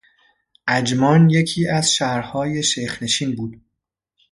عجمان یکی از شهرهای شیخ نشین بود.